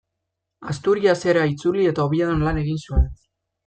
Asturiasera itzuli eta Oviedon lan egin zuen.